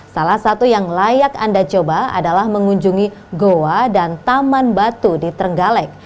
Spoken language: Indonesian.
salah satu yang layak anda coba adalah mengunjungi goa dan taman batu di trenggalek